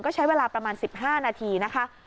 ก็ใช้เวลาประมาณ๑๕นาทีนะคะ